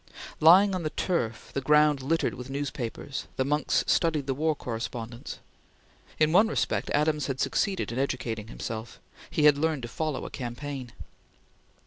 Lying on the turf the ground littered with newspapers, the monks studied the war correspondence. In one respect Adams had succeeded in educating himself; he had learned to follow a campaign.